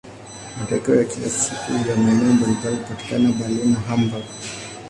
Matoleo ya kila siku ya maeneo mbalimbali hupatikana Berlin na Hamburg.